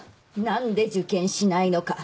何で受験しないのか。